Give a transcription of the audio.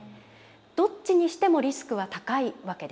どっちにしてもリスクは高いわけです。